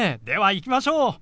では行きましょう！